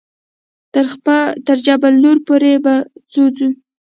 تر جبل نور پورې په څو ځې.